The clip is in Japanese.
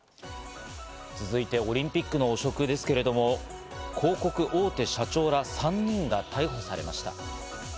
続いてオリンピックの汚職ですけれども、広告大手社長ら３人が逮捕されました。